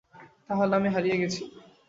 তাহলে আমি হারিয়ে গেছি।